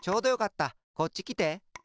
こっちきて。